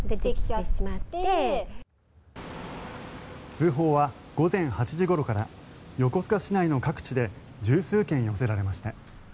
通報は午前８時ごろから横須賀市内の各地で１０数件寄せられました。